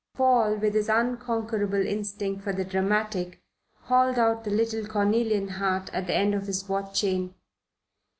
Paul, with his unconquerable instinct for the dramatic, hauled out the little cornelian heart at the end of his watch chain.